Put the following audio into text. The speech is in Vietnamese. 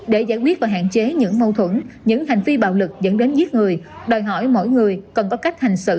để giải quyết và hạn chế những mâu thuẫn những hành vi bạo lực dẫn đến giết người đòi hỏi mỗi người cần có cách hành xử